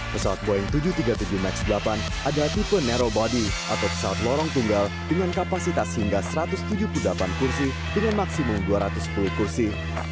pesawat boeing tujuh ratus tiga puluh tujuh max delapan adalah tipe narrow body atau pesawat lorong tunggal dengan kapasitas hingga satu ratus tujuh puluh delapan kursi dengan maksimum dua ratus sepuluh kursi